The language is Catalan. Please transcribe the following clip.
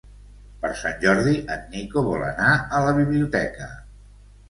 Per Sant Jordi en Nico vol anar a la biblioteca.